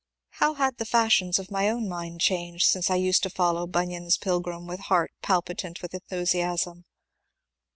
How had the fashion of my own mind changed since I used to follow Bunyan's Pilgrim with heart palpitant with enthusiasm?